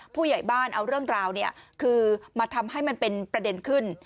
ผู้ใหญ่บ้านเอาเรื่องราวคือมาทำให้มันเป็นประเด็นขึ้น